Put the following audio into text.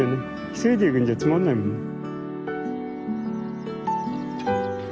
１人で行くんじゃつまんないもんね。